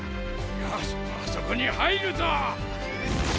よしあそこに入るぞ！